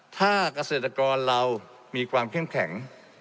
ถ้าเกษตรกรเรามีความเข้มแข็ง